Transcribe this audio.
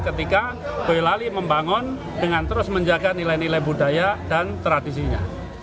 ketika boyolali membangun dengan terus menjaga nilai nilai budaya dan tradisinya